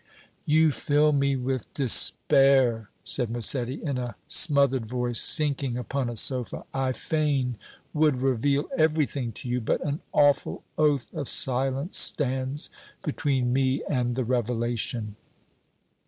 "You fill me with despair!" said Massetti, in a smothered voice, sinking upon a sofa. "I fain would reveal everything to you, but an awful oath of silence stands between me and the revelation."